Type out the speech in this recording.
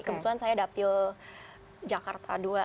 kebetulan saya dapil jakarta dua